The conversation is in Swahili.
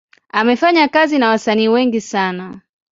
Amefanya kazi na wasanii wengi sana.